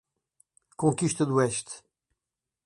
Conquista d'Oeste